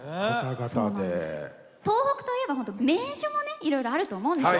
東北といえば名所もねいろいろあると思うんですよ。